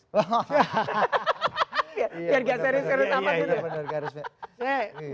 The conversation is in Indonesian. iya benar benar garis merah